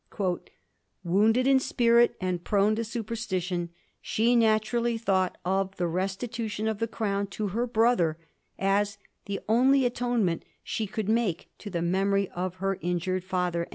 ^ Wounded in spirit, and prone to superstition, she naturally thought of the restitution of the crown to her brother as the only atonement she could make to the memory of her injured father.'